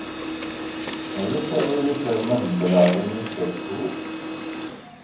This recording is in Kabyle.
Ulac aɣilif ma tbellɛeḍ imi-k cwiṭ?